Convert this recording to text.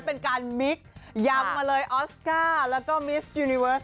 เป็นการมิกยำมาเลยออสการ์แล้วก็มิสยูนิเวิร์ส